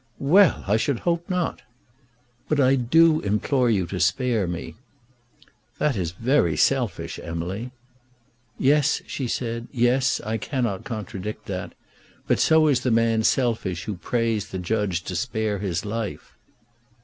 "Well; I should hope not." "But I do implore you to spare me." "That is very selfish, Emily." "Yes," she said, "yes. I cannot contradict that. But so is the man selfish who prays the judge to spare his life."